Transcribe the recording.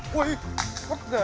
chơi vào trong nó